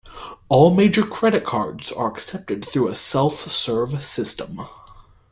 All major credit cards are accepted through a self serve system.